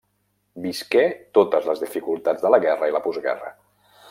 Visqué totes les dificultats de la guerra i la postguerra.